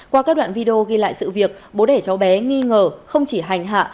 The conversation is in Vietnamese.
qua các đoạn video ghi lại sự việc bố đẻ cháu bé nghi ngờ không chỉ hành hạ